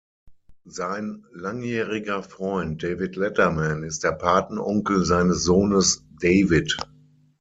Sein langjähriger Freund David Letterman ist der Patenonkel seines Sohnes David.